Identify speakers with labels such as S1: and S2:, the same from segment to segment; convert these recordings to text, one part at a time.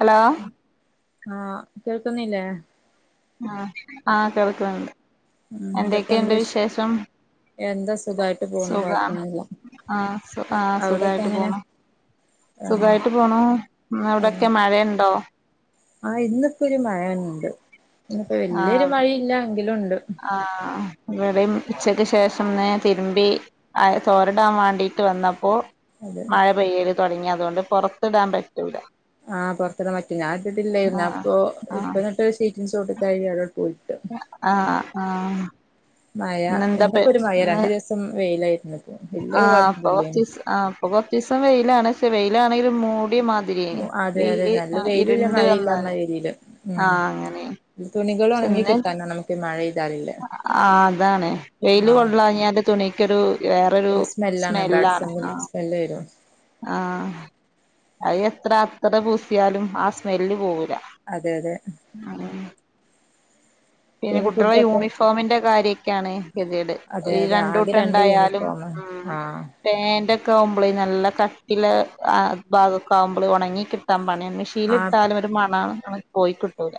S1: Hello
S2: ആഹ കേൾക്കുന്നില്ലേ
S1: ആ ആഹ കേൾക്കണ്ട്
S2: ഉ ഇതൊക്കെ എന്ത എന്താ സുഖായിട്ട് പോണ
S1: സുഖാണ്
S2: കൊഴപ്പൊന്നുമില്ല
S1: ആ സു ആ
S2: അവിടെൊക്കെ
S1: സുഖായിട്ട്
S2: എങ്ങനെ
S1: പോണു സുഖായിട്ട് പോണ ഇവിടെക്കെ മഴയണ്ടോ
S2: ആഹ ഇന്നക്ക ഒരു മയനുണ്ട് ഇപ്പ വല്യൊരു മഴയില്ല ങ്കിലുംണ്ട്
S1: ആഹ ഇവിടെ ഉച്ചക്ക് ശേഷം തിരുമ്പി തോരിടാൻ വേണ്ടിയിട്ട് വന്നപ്പോൾ
S2: അതെ
S1: മഴ പൈ എ തുടങ്ങിയ അതുകൊണ്ട് പുറത്ത് ഡാം
S2: ആഹ് പുറത്തെട പറ്റുന്ന ആട്ടില്ലായിുന്ന
S1: ആ
S2: അപ്പൊ ഇപ്പ എന്നിട്ട് ചോട്ട് കഴിയടോ
S1: ആഹ ആഹ
S2: മഴ ഇന്നിപ്പോ ഒരു മഴ രണ്ടു ദിവസം വെയിലായി
S1: ആ ഇപ്പോകുറച്ച് ദിവസ ആ ദിവസം വെയിലാണ് വെയിലാണെങ്കിൽ മൂ
S2: വൊ അതെ അതെ നല്ല വെയിലല്ല
S1: ഇരുണ്ട്
S2: മഴയില്ലാന്ന
S1: വന്നാല്
S2: എന്ന വെയിലില്ല ഉം തുണിക്
S1: പിന്ന ആ അതാണ് വെയില്
S2: ആഹ്
S1: കൊള്ളളാഞ്ഞാൽ തൂണികരൂ വേറൊരു
S2: ഒരു ബാഡ്
S1: സ്മെല്ലാണ്
S2: സ്മെൽ
S1: ആഹ
S2: സ്മെല്ല് വരും
S1: ആഹ അത് എത്ര അത്ര പൂസിയാലും ആ സ്മെല്ല് പോകും
S2: അതെ അതെ
S1: പിന്നെ കുട്ടികളുടെ യൂണിഫോമിന്റെ കാര്യൊക്കെയാണ് ഗതിട്
S2: അതെ
S1: ഈ
S2: അതെ
S1: രണ്ട
S2: ആകെ
S1: കൂട്ടം
S2: രണ്ട്
S1: ഉണ്ടായാലും
S2: യൂണിഫോമ ആഹ്
S1: പെറ്റ ആവുമ്പോള നല്ല കട്ടില ഭാഗമക്കെ ആകുമ്പോള ഉണങ്ങി കിട്ടാൻ മണ മെഷീൻ
S2: ആ
S1: ൽ ട്ടാലും ഒരു മണാണ് നക്ക് പോയിക്കിട്ടൂല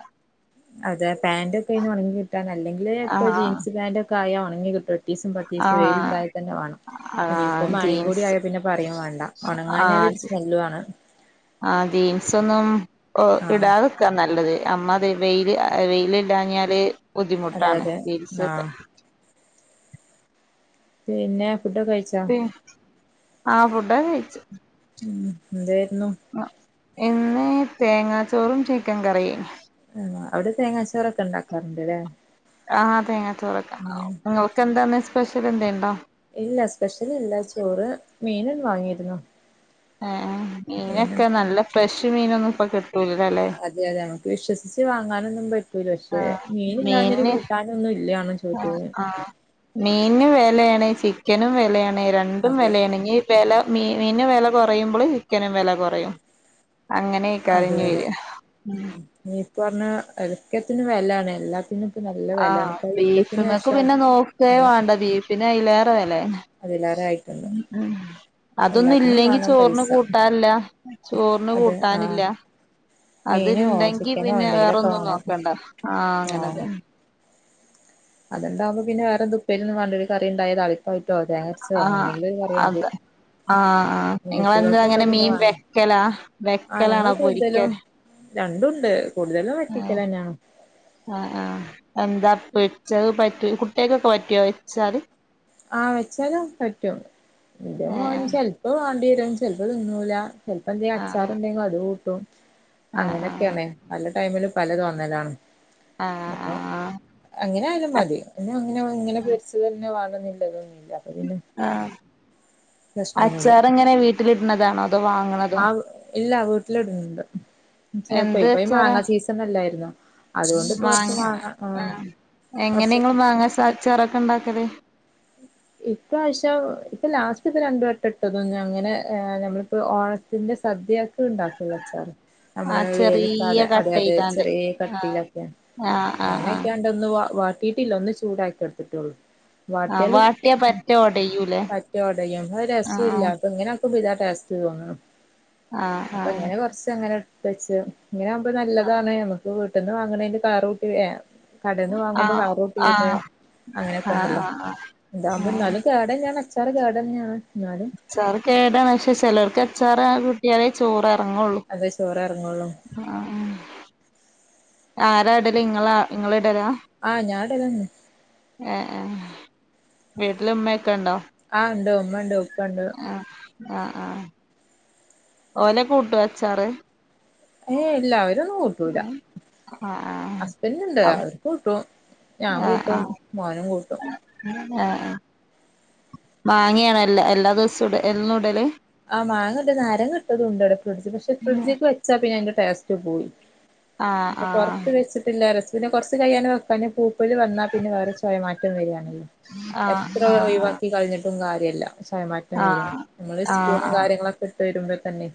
S2: അതെ പാന്റ് ഒക്കെ കി അല്ലെങ്കില് ഇപ്പൊ
S1: ആഹ്
S2: ജീൻസ് പാാന്റ് കായ ഓങ്ങി കിട്ടാ പത്തീസും പത്തീസും വെൽ
S1: ആഹ്
S2: ഇണ്ടായൽ തന്നെ വേണം
S1: ആഹ്
S2: ഇനിയിപ്പം മഴയും കൂട
S1: ജീൻസ്
S2: ആയാൽ പിന്നെ പറയുംയും വേണ്ട ഉണങ്ങാഞ്ഞാാല ഒരു
S1: ആഹ്
S2: സ്മെല്ല ആണ്
S1: ആഹ് ജീൻസൊന്നും
S2: ആഹ
S1: നമ്മ വെ വെയില് എ വെയില് ഇല്ലാഞ്ഞാല്
S2: അതെ
S1: ബുദ്ധിമുട്ടാണ്
S2: അതെ
S1: ജിൻസൊക്കെ
S2: ആഹ് പിന്നെ ഫുഡ് ഒക്കെ കഴിച്ച
S1: ആ ഫുഡ് ഒക്കെ കഴിച്ച്
S2: ഉം എന്തെ എന്നും
S1: ഇന്ന് തേങ്ങാച്ചോറും ചിക്കൻ കറിയ്
S2: തേങ്ങ അവിടെ തേങ്ങാച്ചോറൊക്കെ ഉണ്ടാക്കാറുണ്ട്ല്ലേ
S1: ആഹ് അ തേങ്ങ ചൊറക്ണ്ടവും
S2: ഉം
S1: നിങ്ങൾക്ക് എന്താണ് സ്പെഷ്യൽ എന്തെണ്ടോ
S2: ഇല്ല സ്പെഷ്യല് ഇല്ല ചോറ് മീന് വാങ്ങിയിരുന്നു
S1: ആ ആ
S2: മീനും
S1: മിനൊക്കെ നല്ല ഫ്രഷ് മിനൊന്നും ഇപ്പ കിട്ട പുതുതല്ലേ
S2: അതെ അതെ നമുക്ക് വിശ്വസിച്ച് വാങ്ങാനൊന്നും പ
S1: ആ മീന്
S2: ഇല്ല്യാണ് ചോറ്
S1: ആ മീന് വെലയാണേ ചിക്കനും വെലയാണ് രണ്ടും
S2: അതെ അതെ
S1: വെലയാണങ്കി ഇനി വേല മീനിനു വെല കൊറയുമ്പളും ചിക്കനും വെല കുറയും അങ്ങനെയൊക്ക അറിഞ്ഞു വരിക ഉം
S2: പറഞ്ഞാ ഒക്കെത്തിനും വെലയാണ് എല്ലാത്തിനും ഇപ്പ നല്ല
S1: ആ
S2: വെലാണ് ഇപ്പ യുദ്ധത്തിന്
S1: ബീഫിനൊക്ക
S2: ശേഷം
S1: പിന്നെ നോക്കുവേ
S2: അതെ
S1: വേണ്ട ബീഫിന് അയല ഇപ്പം വെലായ
S2: അതിലേറെ ആയിട്ടുണ്ട്
S1: ഉം അതൊന്നും
S2: എല്ലാത്തിനും
S1: ഇല്ലെങ്കി
S2: വേണം
S1: ചോറിന്
S2: പൈസ
S1: കൂട്ടാനില്ല ചോറിന്
S2: അതെ ആഹ്
S1: കൂട്ടാനില്ല അതു
S2: മീനോ
S1: ണ്ടെങ്കി
S2: ചിക്കനോ
S1: പിന്നെ
S2: എന്തെങ്കിലൊക്കെ
S1: വേറോന്നും
S2: വേണം
S1: നോക്കണ്ട ആ അങ്ങനെ തന്നെ
S2: അതണ്ടാവുമ്പോ പിന്നെ വേറെന്ത് ഉപ്പേരിന്ന് പറഞ്ഞണ്ട് ഒരു കറിയുണ്ടായി താളിപ്പായി
S1: ആ അതെ ആ ഹാ നിങ്ങളെന്താ
S2: കുട്ടികൾക്കൊക്കെ
S1: അങ്ങനെ
S2: പിന്നെ
S1: മീൻ
S2: വേണം
S1: വെക്കലാ വെക്കലാണോ പൊരിക്കല്
S2: രണ്ടു ഉണ്ട്
S1: ആ ആ ആഹ് എന്താ പൊരിച്ചത് പറ്റുവോ കുട്ടികക്കൊക്കെ പറ്റുവോ വെച്ചാല്
S2: ആ വെച്ചാലും പറ്റും എന്റെ
S1: ഏഹ്
S2: മോന് ചെലപ്പോ വേണ്ടിവരും ചെലപ്പോ തിന്നൂല ചെലപ്പം എന്തേലും
S1: ആഹ്
S2: അച്ചാറുണ്ടെങ്കി അതു കൂ
S1: ആഹ്
S2: അങ്ങനെയൊക്കെയാണേ
S1: ആഹ്
S2: പല ടൈമില് പല തോന്നലാണ്.
S1: ആഹ്
S2: അപ്പം അങ്ങനെ ആയാലും
S1: ആഹ്
S2: മതി, [unintelligible] അങ്ങനെ ഇങ്ങനെ പൊരിച്ചത് തന്നെ വേണ [unintelligible] [unintelligible]
S1: ആ
S2: പ്രശ്നൊന്നുമില്ല
S1: അച്ചാർ എങ്ങനെ വീട്ടിലിടുന്നതാണോ? അതോ വാങ്ങണതോ?
S2: ഇല്ലാ വീട്ടിലിടുന്നുണ്ട്. ചെലപ്പോ
S1: എന്ത്
S2: ഇപ്പോ ഈ
S1: അച്ചാറാ
S2: മാങ്ങാ സീസൺ അല്ലായിരുന്നോ. അതുകൊണ്ട് ഇപ്പൊ കൊറച്ച്
S1: മാങ്ങ ആ
S2: ആഹ്
S1: എങ്ങനെ
S2: കൊറച്ച്
S1: നിങ്ങള് മാങ്ങ അച്ചാ അച്ചാറൊക്കെ ഇണ്ടാക്കല്?
S2: ഇപ്രാവശ്യം ഇപ്പം ലാസ്റ്റ് ഇപ്പം രണ്ട് വട്ടം ഇട്ടത് അങ്ങനെ ഏ നമ്മളിപ്പോ ഓണത്തിന്റെ സദ്യയൊക്കെ ഉണ്ടാക്കൂലെ അച്ചാറ് നമ്മള്
S1: ആഹ്
S2: വേവിക്കാതെ
S1: ചെറിയ
S2: അതെ
S1: കട്ട്
S2: അതെ
S1: ചെയ്താണ്ട്
S2: ചെറിയ
S1: ആഹ്
S2: കട്ടിയിലൊക്കെ
S1: ആഹ് ആഹ് ആഹ്
S2: അങ്ങനെയൊക്കെയണ്ടന്ന് വാ വാട് തീട്ടില്ല ഒന്ന് ചൂടാക്കി എടുത്തിട്ടൊള്ളൂ.
S1: ആഹ്
S2: ടിയാൽ
S1: വാട്ടിയാ പറ്റെ ഒടയൂലേ
S2: പറ്റെ ഒടയും അത് റിസോല്ല
S1: ആഹ്
S2: അപ്പ ഇങ്ങനെ ആക്കുമ്പം ഇതാ ടേസ്റ്റ് തോന്ന്ണു.
S1: ആഹ്
S2: അപ്പ ഇങ്ങനെ കൊറച്ച് എങ്ങനെ പച്ച ഇങ്ങനാകുമ്പോ നല്ലതാണ് നമ്മ ള് വീട്ട്ന്ന് വാങ്ങണെന്റെ കാറൂട്ടി ഏ കടേന്ന്
S1: ആ
S2: വാങ്ങുമ്പോ കാറൂട്ടി
S1: ആ
S2: വരുന്ന
S1: ആ ആ ആ
S2: ഇതാവുമ്പം എന്നാലും കേടായി ഞാനച്ചാറ് കേടന്നാണ്.
S1: ച്ചാറ് കേടാണ് പക്ഷേ ചെലോർക് അച് ച്ചാറ് കൂട്ടിയാലേ ചോറ് എ ങ്ങുള്ളു,
S2: അതെ ചോറ് എറങ്ങുള്ളൂ
S1: ആ ആരാ ഇടല്? ഇങ്ങളാ ഇങ്ങള് ഇടലാ?
S2: ആഹ് ഞാൻ ഇടലന്നെ.
S1: ഏ ഏ വീട്ടില് ഉമ്മയൊക്കെ ഒണ്ടോ?
S2: ആ ഇണ്ട്, ഉമ്മ ഇണ്ട് വ്
S1: ആ ആ ആ ഓല കൂട്ടോ അച്ചാറ്?
S2: ഏ ഇല്ല രൊന്നും കൂട്ടൂല
S1: ആഹ് ആഹ്
S2: ഹസ്ബൻറ് ഇണ്ട് അവർ കൂട്ടും ഞാൻ കൂട്ടും മോനും കൂട്ടും
S1: ആ വാങ്ങിയാണ് എല്ലാ എല്ലാ ദിവസവും ഇട എന്നും ഇടല്
S2: ആ മാങ്ങട നാരങ്ങ ഇട്ടതും ഉണ്ടവിടെ ഫ്രിഡ്ജിൽ പക്ഷെ ഫ്രിഡ്ജ്ക്ക് വെച്ചാ പിന്നെ അതിൻ്റെ ടേസ്റ്റ് പോവും
S1: ആഹ് ആഹ്
S2: പുറത്ത് വെച്ചിട്ടില്ല രസ അതിനെ കുറച്ച് കഴ്യാന വെക്കാനൊക്കു പല് വന്നാൽ പിന്നെ വേറെ സ്വയമാറ്റം വരുകയാണല്ലോ
S1: ആഹ്
S2: എത്ര
S1: ആഹ് ആഹ്
S2: ഒഴിവാക്കി കളിഞ്ഞിട്ട് ട്ടും കാര്യില്ല ക്ഷമാക്കാൻ
S1: ആഹ്
S2: വെരാംനിങ്ങ
S1: ആഹ്
S2: പൂണും
S1: ആഹ്
S2: കാര്യങ്ങളൊക്കെ തരുമ്പോ തന്നെ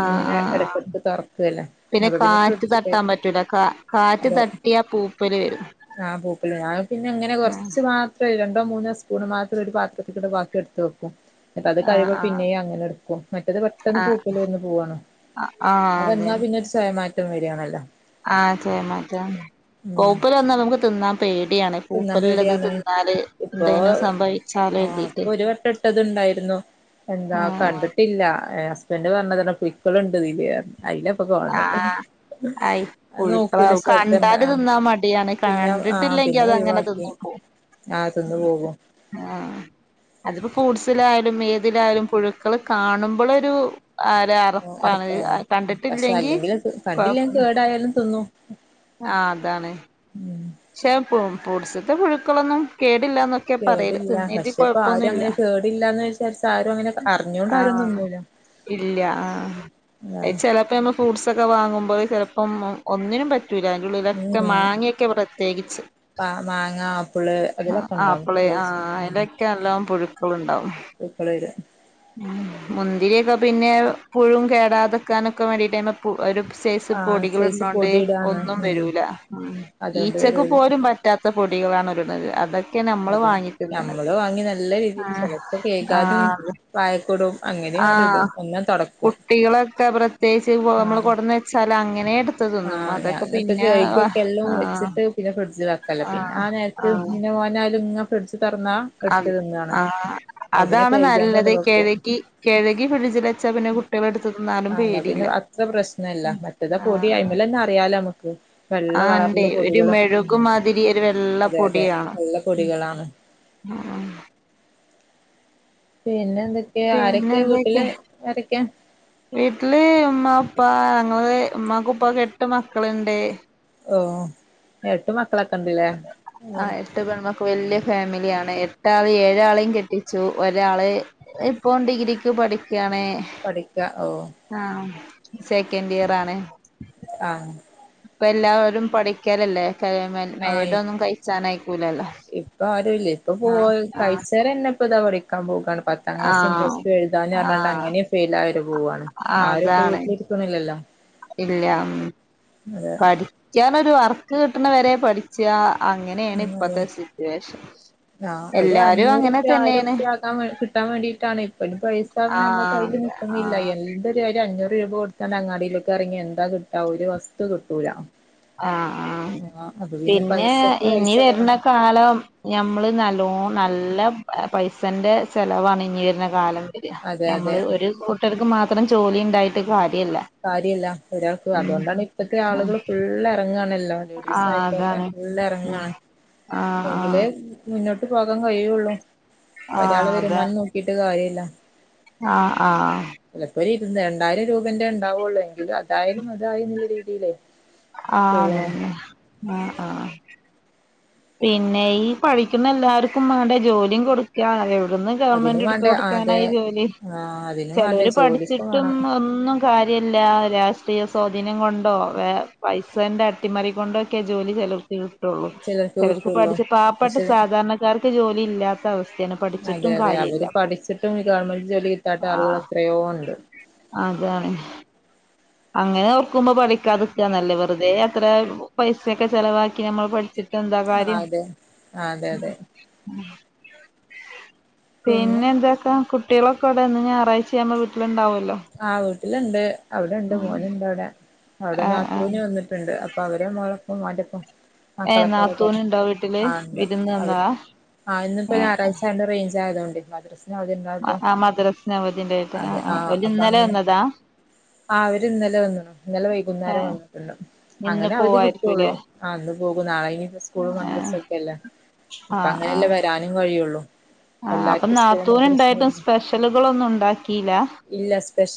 S1: ആഹ്
S2: ഇങ്ങനെ
S1: ആഹ് ആഹ്
S2: എടക്കൊക്കെ തൊറക്കല്ല നമ്മൾ പിന്നെ
S1: കാറ്റ്
S2: ഫ്രിഡ്ജ്ക്ക്
S1: തട്ടാൻ
S2: വെക്കും
S1: പറ്റൂല കാ കാറ്റ്
S2: അതെ
S1: തട്ടിയാ പൂപ്പല് വരും
S2: ആ പൂപ്പൽ ഞാ പിന്നെ ഇങ്ങനെ
S1: ആഹ്
S2: കൊറച്ച് മാത്രം ഒ ട മൂന്ന് സ്പൂണ് മാത്രം ഒരു പാത്രത്തിക് ഇട്ട് ബാക്കി എടുത്ത് വെക്കും ന്നിട്ടത് കഴികും
S1: ആഹ്
S2: പിന്നെയും അങ്ങനെ എടുക്കും മറ്റേത് പെട്ടെന്ന്
S1: ആഹ്
S2: പൂപ്പൽ വര്ന്ന പൂവാണ്
S1: ആഹ് ആഹ്
S2: അത്
S1: അതെ
S2: എന്നാ പിന്നെ സ്വയ പും വരാണല്ലോ
S1: ആഹ് ചേ മാറ്റ കോപ്പല് വന്നാ നമുക്ക് തിന്നാം
S2: ന്ന പേടിയാണ് ഇപ്പോ
S1: എന്തേനും സംഭവിച്ചാലോ കരുതീട്ട്
S2: ആപ്പൊ ഒരു വട്ട ഇട്ടത്ണ്ടായിരുന്നു എന്താ
S1: ആഹ്
S2: കണ്ടിട്ടില്ല ആ ഹസ്ബൻന്റ് പറഞ്ഞ തന്നെ പിക്കളുണ്ട്ല്ലരുന്നു
S1: ആഹ് ആയി
S2: അത്
S1: പുഴുപ്പ
S2: നോക്കൂല
S1: ളാവും
S2: ശ്രദ്ധണ്ട
S1: കണ്ടാല്
S2: ആഹ്
S1: തിന്നാ മടിയാണ്
S2: പിന്നെ ആഹ്
S1: കണ്ടിട്ടില്ലെങ്കി
S2: പിന്നെ
S1: ഇയ്യാതങ്ങനെ
S2: ഒഴിവാക്കി
S1: തിന്നോക്കോ
S2: ആഹ് തിന്ന് പോകും
S1: ആ ഫ്രൂട്സിലായാലും ഏതിലായാലും പുഴുക്കൾ കാണുമ്പോളൊരു ആരെ അറപ്പാണ്
S2: അറക്കാനോ
S1: കണ്ടിട്ട്
S2: പക്ഷെ അല്ലെങ്കിൽ കണ്ടില്ലൻ കേടായാലും തിന്നും ഉം
S1: ഷർപ്പും ഫൂഡ്സത്തെ പുഴുക്കളൊന്നും കേ ഇല്ലാനൊക്കെയാ പറേൽ
S2: കേടില്ല
S1: തിന്നേറ്റ്
S2: പക്ഷെ ഇപ്പൊ ആരും
S1: കൊഴപ്പൊന്നുല്ല
S2: അങ്ങനെ കേടില്ലാന്ന് വിചാരിച്ച് ആരും അങ്ങനെ അറിഞ്ഞോണ്ട് ആരും തിന്നൂല അതാണ്
S1: ചെലപ്പോ നമ്മ ഫ്രൂട്ട്സെ വാങ്ങുമ്പോൾ ചെലപ്പം ഒന്നിനും പറ്റ അയിൻ്റെ ഉള്ളിലൊക്കെ മാങ്ങയൊക്കെ ഇവിടെ പേടിച്ച്
S2: ആ മാങ്ങ ആപ്പിള് അതിലൊക്കെണ്ടാവും
S1: കൊളൊണി മുന്തിരിയോക്കെ പിന്നെ പുഴും കേടാതെക്കാനൊക്കെ വേണ്ടിയിട്ടായ് അയിമേ പു ഒരു സൈസ്
S2: ആഹ്
S1: പൊടികൾ
S2: സൈസ്
S1: ഇുന്നോണ്ട്
S2: പൊടിയിടാണ്
S1: ഒന്നും
S2: ഉം
S1: വരൂല ഈ
S2: അതുകൊണ്ട്
S1: ഉച്ചക്ക്
S2: വരൂല
S1: പോലും പറ്റാത്ത പൊടികളാണ് ഒരുരുന്നത് അതാ കേണ് നമ്മൾ
S2: അതെ
S1: വാങ്ങിക്ക
S2: നമ്മള് വാങ്ങി നല്ല രീതിയിൽ ചെലപ്പോ കേൾക്കാതും വായക്കൂടും അങ്ങനെയും ആണ്ട് ഇടും ഒന്നാ തൊടക്കും
S1: കുട്ടികളൊക്കെ പ്രത്യേകിച്ച് നമ്മ കൊടന്ന് വെച്ചൽ അങ്ങന
S2: ആ ഞ എന്നിട്ട് കഴകൊക്കെ എല്ലാം
S1: ആഹ്
S2: വെച്ചിട്ട് പിന്നെ ഫ്രിഡ്ജ് വക്കല്ലോ പിന്നെ
S1: ആഹ്
S2: ആ നേരത്ത് പിന്നെ മ [unintelligible]
S1: അ ആ
S2: അപ്പോ പിന്നെ
S1: അതാണ്
S2: കഴുകിയാണ്ട്
S1: നല്ലത്
S2: അങ്ങട് വെക്കും
S1: കഴികി കഴികി ഫ്രിഡ്ജിൽ വെച്ചാ പിന്നെ കുട്ടികൾ എടുത്ത്ന്നാലും
S2: ആഹ് എന്നാ
S1: പേടില്ല ആഹ്
S2: യിമൽ ന്നെ അറിയാല നമക്ക്
S1: ആ ണ്ടേ ഒരു
S2: ഉം
S1: മെഴക്മാതിരി ഒരു വെള്ള
S2: അതെ അതെ
S1: പൊടിയാ
S2: നല്ല
S1: മ്
S2: പൊടികളാണ് പിന്നെ എന്തൊക്കെ
S1: പിന്നെ
S2: ആരൊക്കെ
S1: എന്തൊക്കെ
S2: വീട്ടില് ആരൊക്കെ
S1: വീട്ടില് മ്മ പ്പാ ഞങ്ങള് ഉമ്മാക്കും ഉപ്പാക്കും എട്ട് മക്കളണ്ട്
S2: ഓഹ് എട്ട് മക്ക മക്കളൊക്കെണ്ടില്ലേ
S1: ആ എട്ട് പെൺമക്കൾ വല്യ ഫാമിലിയാണ് എട്ടാള് ഏഴാളെയും കെട്ടിച്ചു ഒരാള് ഇപ്പം ഡിഗ്രിക്ക് പഠിക് ക്കാണ്
S2: പഠിക്ക ഓ
S1: ആ സെക്കൻഡ് ഇയർ ആണ്
S2: ആഹ്
S1: ഇപ്പ എല്ലാവരും പഠിക്കലല്ലേ
S2: ആഹ്
S1: [unintelligible] ഒന്നും കഴിച്ചാൻഅയക്കൂലല്ലോ
S2: ഇപ്പൊ ആരുല്ലേ ഇപ്പൊ
S1: ആ
S2: പോയി
S1: ആ
S2: കഴിച്ചേരന്നെ ഇപ്പ ഇതാ പഠിക്കാൻ പോകാണ് പത്താം
S1: ആ
S2: ക്ലാസും പ്ലസ്ടും എഴുതാഞ്ഞ്
S1: ആ
S2: കാരണം അങ്ങനേം ഫെയിൽ ആയിരുന്നു പോവാണ്
S1: ആ
S2: ആരും ഇപ്പ
S1: അതാണ്
S2: വീട്ടിലിരിക്കൊന്നില്ലല്ലോ
S1: ഇല്ല പഠിക്കാനൊരു വർക്ക് കിട്ടുന്നവരെ പഠിച്ചാ അങ്ങനെയാണ് ഇപ്പത്തെ സിറ്റുവേഷൻ
S2: ആ ഒരു
S1: എല്ലാരും
S2: അഞ്ഞൂറ്
S1: അങ്ങനെ
S2: റുപ്യ ആയിരം
S1: തന്നെയാണ്
S2: റുപ്യ ആക്കാൻ കിട്ടാൻ വേണ്ടിയിട്ടാണ് ഇപ്പഴും പൈസ എന്ന് പറഞ്ഞാ നമ്മ കയ്യിൽ
S1: ആഹ്
S2: നിക്കുന്നില്ല
S1: ആഹ്
S2: എന്തൊരു കാ അഞ്ഞൂറ് രൂപ കൊടുത്താണ്ട് അങ്ങാടിയിലേക്ക് ഇറങ്ങി എന്താ കിട്ടാ ഒരു വസ്തു കിട്ടൂല
S1: ആ ആ
S2: ആഹ് അത്
S1: പിന്നെ
S2: പൈസക്ക്
S1: ഇനി
S2: പൈസല്ലേ
S1: വരുന്ന
S2: വേണം
S1: കാലം ഞമ്മള് നല്ലോൺ നല്ല പൈസന്റെ ചെലവാണ് ഇനി വരുന്ന കാലം
S2: അതെ അതെ
S1: നമ്മള് ഒരു കൂട്ടർക്ക് മാത് ഇത്തരം ജോലി ഉണ്ടായിട്ട് കാ
S2: കാര്യല്ല ഒരാൾക്ക് അതുകൊണ്ടാണ് ഇപ്പത്തെ ആളുകള് ഫുള്ള് തങ്ങാണല് ലേഡീസ്
S1: ആഹ്
S2: ആയിക്കോട്ടെ
S1: അതാണ്
S2: ഫുള്ള്
S1: ഉം
S2: ഇറങ്ങാണ്
S1: ആഹ്
S2: എങ്കില്
S1: ആഹ്
S2: മുന്നോ ട്ട് പോകാൻ കഴിയുള്ളു ഒരാള്
S1: അതെ
S2: വരുമാനം നോക്കിട്ട് കാര്യമില്ല
S1: ആഹ് ആഹ് ആഹ്
S2: ഒരു ഇത് രണ്ടായിരം രൂപന്റെ ഉണ്ടാവുള്ളോ എങ്കിലും അതായാലും അതായി എന്നുള്ള രീതിയിലേ
S1: ആ
S2: പോവാണ്
S1: അതെതെ ആഹ് ആഹ് പിന്നെ ഈ പഠിക്കുന്ന എല്ലാവർക്കും വേണ്ട ജോലിയും കൊടുക്കാണ് എവി ടുന്ന്
S2: അതിനും
S1: ഗവണ്മെന്റ് എടുത്ത്
S2: വേണ്ടേ
S1: കൊടുക്കാനാ
S2: അതെ
S1: ഈ ജോലി
S2: ആഹ് അതിനും വേണ്ടേ
S1: ചെലര്
S2: ജോലിക്കും
S1: പഠിച്ചിട്ടും
S2: വേണം
S1: ഒന്നും കാര്യ രിയില്ല രാഷ്ട്രീയ സ്വാധീനം കൊണ്ടോ പൈസന്റെ അട്ടിമറി കൊണ്ടോ ഒക്കെ ജോലി ചെലർക്ക് അത്രൊള്ളു
S2: ചിലർക്ക്
S1: ചെലർക്ക്
S2: കിട്ടുള്ളൂ
S1: പഠിച്ച് പാവപ്പെട്ട
S2: പക്ഷെ
S1: സാധാരണക്കാർ- ജോലി ഇല്ലാത്ത അവസ്-
S2: അതെ അതെ അവര് പഠിച്ചിട്ടും ഗവൺമെന്റ് ജോലി കിട്ടാത്ത ആളുകൾ
S1: ആഹ്
S2: എത്രയോ ഒണ്ട്
S1: അതാണ് അങ്ങനെ നോർക്കുമ്പോ പഠിക്കാതിക്കാ നല്ലേ വെറുതെ അത്ര പൈസയൊക്കെ ചെലവാക്കി നമ്മള് പഠിച്ചിട്ട് ട്ടെന്താ
S2: ആഹ്
S1: കാര്യം
S2: അതെ അതെ അതെ
S1: പിന്നെ എന്താക്കാ കുട്ട- കുട്ടിളൊക്കെവിടെ ഇന്ന്ഞാറാച്ചാവുമ്പ വീട്ടിലുണ്ടാവു-
S2: ആഹ് വീട്ടിലൊണ്ട് അവിടെ ണ്ട്
S1: ഉം
S2: മോനുണ്ടവിടെ അവിടെ
S1: ആഹ് ആഹ്
S2: നാത്തൂന് വന്നിട്ട്- ണ്ട് അപ്പൊ അവരെ മോളൊപ്പം മാറ്റപ്പം
S1: ഏ
S2: മക്കളെത്തോടെക്കെ
S1: നാത്തൂനുണ്ടോ വീട്ടില്
S2: ആണ്ട്
S1: വിരുന്ന്
S2: അവര്
S1: വന്നതാ
S2: ആ ഇന്നിപ്പോ ഞായറാഴ്ചാണ്ട് റേച്- ജാത ഉണ്ടി മദ്രസ-
S1: ആഹ് മദ്രാസവതിണ്ടായിട്ട് ആഹ് ആഹ്
S2: പ്പങ്ങനെ ആ അവര് ഇന്നലെ വന്ന്ണു ഇന്നലെ
S1: ഏ
S2: വൈകുന്നേരം വന്നിട്ടുണ്ട്
S1: ഇന്ന്
S2: അങ്ങനെ അവധി
S1: പോവായിരിക്കൂല്ലേ
S2: കിട്ടുള്ളൂ ആ ഇന്ന് പോകും നാളെ ഇനി സ്കൂളും
S1: ആഹ്
S2: മദ്രസ ഒക്കെല്ലേ ഇപ്പ അങ്ങനെല്ലേ വരാനും കഴിയുള്ളൂ
S1: ആ അപ്പ
S2: എല്ലാർക്കും സ്കൂളും മദ്രസും
S1: നാത്തൂനിണ്ടായിട്ടും
S2: വരുമ്പോ
S1: സ്പെഷ്യലുകളൊന്നും ഉണ്ടാക്കീല്ല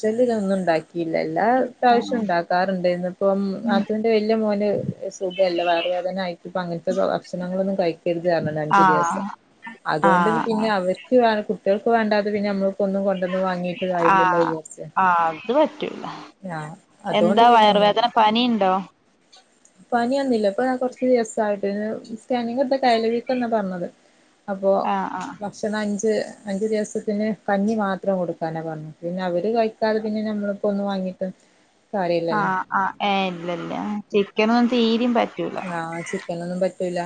S2: ഷ്യലൊന്നും ഇണ്ടാക്കീല്ല എല്ലാ പ്രാവശ്യം
S1: ആഹ്
S2: ഇണ്ടാക്കാറുണ്ട് ഇന്നിപ്പം നാത്തൂന്റെ വല്യ- മോന് സുഖില്ല വയറ് വേദന ആയിട്ടിപ്പ അങ്ങനത്തെ ഭക്ഷണങ്ങളൊന്നും കൈ ക്കരുത് പറഞ്ഞ്ണ് അഞ്ചു ദിവസം
S1: ആഹ്
S2: അതുകൊണ്ട്
S1: ആഹ്
S2: പിന്നെ അവര്ക്ക് വേറെ കു കുട്ട്യോൾക്ക് വേണ്ടാതെ പിന്നെ നമ്മള് ഒന്നും കൊണ്ടുന്ന് വാങ്ങിട്ട് കാരില്ലല്ലോ വി-
S1: ആ അത് പറ്റൂല
S2: അതുകൊണ്ട്
S1: എന്താ
S2: പിന്നെ
S1: വയറ് വേദന
S2: ഒന്നും
S1: പനിണ്ടോ
S2: പനിയൊന്നില്ല ഇപ്പൊ കൊറച്ച് ദിവസായിട്ട് സ്കാനിങെടുത്ത കയല് വീക്കന്നാ പറഞ്ഞത് അപ്പൊ
S1: ആഹ് ആഹ്
S2: ഭക്ഷണം അ ഞ്ച് അഞ്ച്ദിവസത്തിന് കഞ്ഞി മാത്രം കൊടുക്കാന പറഞ്ഞെ പിന്നവര് കയിക്കാതെ പിന്നെ ഞമ്മളിപ്പോ ഒന്നു വാങ്ങിട്ടും
S1: ആ ആ ഏയ് ഇല്ലില്ല ചി ക്കനൊന്നും തീരീം പ
S2: ആ ചിക്കൻ ഒന്നും പറ്റൂ ല്ല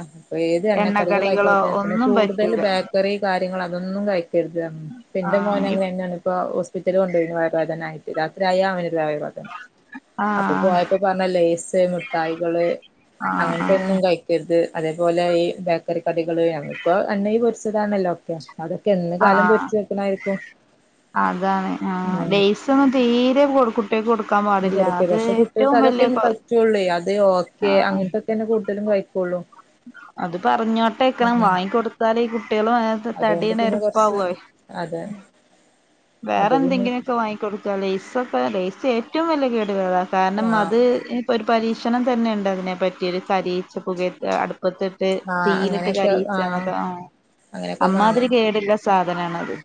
S2: ഏത് എണ്ണക്കടികള്
S1: എണ്ണക്കടികളോ
S2: ആയിക്കോട്ടെ പിന്നെ
S1: ഒന്നും
S2: കൂടുതൽ
S1: പറ്റൂല
S2: ബേക്കറി കാ ര്യങ്ങളോ അതൊന്നും കഴി ക്കരുതറഞ്ഞ്ണ് ഇപ്പം ഇന്റെ
S1: ആഹ് ഇ
S2: മോനെന്നെയാണ് ഇപ്പം ഹോ സ്പിറ്റലിൽ കൊണ്ടുപോയിണ് വയറു വേദനായിട്ട് രാത്രിയായ അവന് അപ്പൊ
S1: ആഹ്
S2: പോയപ്പോ പറഞ്ഞ് ലെയ്സ് മിഠായികള്
S1: ആഹ്
S2: അങ്ങനത്തെ ഒന്നും
S1: ആഹ്
S2: കഴിക്കരുത് അതേപോലെ ഈ ബേക്കറി കടികള് ഞങ്ങപ്പോ എണ്ണയി പൊരിച്ചതാണല്ലോ ഓക്കെ അതൊക്കെ എന്ന്
S1: ആഹ്
S2: കാലം
S1: ആഹ്
S2: പൊരിച്ചു വെക്കണായിരിക്കും
S1: അതാണ് ആ ലെയ്സ് ഒന്ന് തീരെ കുട്ടിയോക്ക് കൊടുക്ക
S2: കൊടുക്കരുത് പക്ഷെ കുട്ടികൾക്ക് അതൊക്കെന്നെ പറ്റുള്ളൂ അത് ഓക്കെ
S1: ആഹ്
S2: അങ്ങനത്തൊക്കെന്നെ കൂടുതലും കഴിക്കൊള്ളൂ
S1: അത് പറഞ്ഞോട്ടേക്കണം വാങ്ങിക്കൊടുത്താൽ ഈ കുട്ടികളും അ
S2: അതുകൊണ്ട്
S1: തടീന
S2: പിന്നെ കൊറച്ച്
S1: എരുപ്പാവേ
S2: അതെ
S1: വേറെ
S2: അപ്പൊ പിന്നെ
S1: എന്തെങ്കിലൊക്കെ വാങ്ങി കൊടുക്കാ ലെയ്സ് ഡേ ഏറ്റവും വലിയ കേട് കേതാണ് കാരണം
S2: ആ
S1: അത് ഇപ്പൊ ഒരു പരീക്ഷ ക്ഷണം തന്നെയുണ്ട് അതിനെപ്പറ്റി ഒരു കരീച്ച പുകയ അടു പ്പത്തിട്ട്
S2: ആ
S1: തീയിലിട്ട്
S2: അങ്ങനെയൊക്കെ
S1: കരിയിച്ചാന്നക്ക ആ
S2: അങ്ങനെയൊക്കെ
S1: അമ്മാതിരി
S2: കാണാം
S1: കേടില്ല സാധനാണത്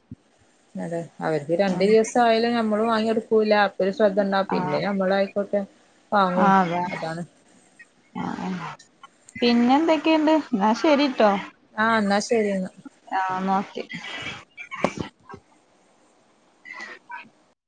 S2: അതെ അവർക്ക് രണ്ട്
S1: ആഹ്
S2: ദിവസം ആയാലും നമ്മള് വാങ്ങിെടുക്കൂല്ല ഒരു ശ്രദ്ധ ഉണ്ടാ പിന്നെ
S1: ആഹ്
S2: നമ്മളായിക്കോട്ടെ വാങ്ങും അതാണ്
S1: ആ പിന്നെ എന്തൊക്കെയണ്ട് എന്നാ ശരിട്ടോ
S2: ആഹ് എന്നാ ശരി എന്നാ
S1: ആഹ് എന്നാ ഓക്കെ [inaudible]